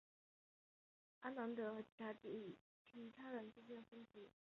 阿南德和其他人之间的分歧在筹备召开党内会议时飙升。